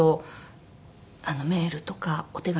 あのメールとかお手紙？